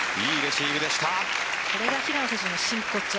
いいレシーブでした。